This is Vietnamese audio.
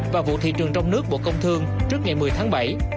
và vụ thị trường trong nước bộ công thương trước ngày một mươi tháng bảy